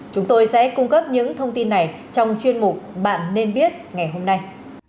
chúng tôi sẽ cung cấp những thông tin này trong chuyên mục bạn nên biết ngày hôm nay